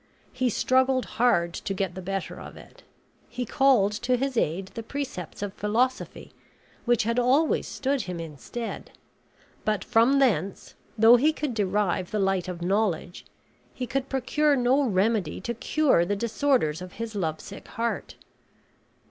He struggled hard to get the better of it. He called to his aid the precepts of philosophy, which had always stood him in stead; but from thence, though he could derive the light of knowledge, he could procure no remedy to cure the disorders of his lovesick heart.